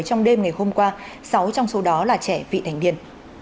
trong đêm ngày hôm qua sáu trong số đó là trẻ vị thành niên